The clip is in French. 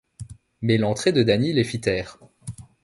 Mais l’entrée de Fanny les fit taire.